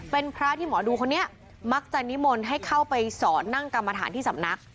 เป็นพระที่หมอดูคนนี้มักจะนิมนต์ให้เข้าไปสอนนั่งกรรมฐานที่สำนัก